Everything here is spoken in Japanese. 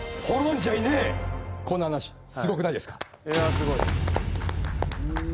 すごい。